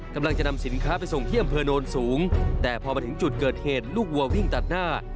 กำลังจะนำสินค้าไปส่งที่อำเภอโนนสูงแต่พอมาถึงจุดเกิดเหตุลูกวัววิ่งตัดหน้า